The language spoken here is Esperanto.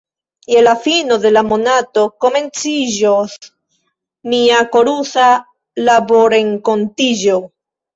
Je la fino de la monato komenciĝos mia korusa laborrenkontiĝo.